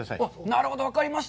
なるほど分かりました。